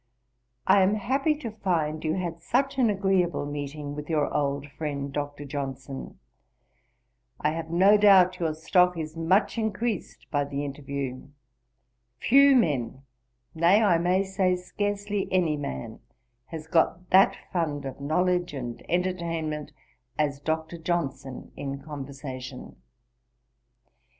I am happy to find you had such an agreeable meeting with your old friend Dr. Johnson; I have no doubt your stock is much increased by the interview; few men, nay I may say, scarcely any man, has got that fund of knowledge and entertainment as Dr. Johnson in conversation.